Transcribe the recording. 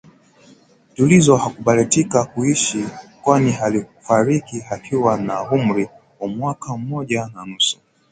Tulizo hakubahatika kuishi kwani alifariki akiwa na umri wa mwaka mmoja na nusu